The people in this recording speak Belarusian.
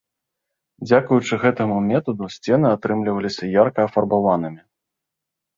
Дзякуючы гэтаму метаду, сцены атрымліваліся ярка афарбаванымі.